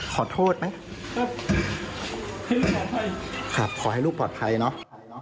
ขอให้ลูกปลอดภัยเนอะ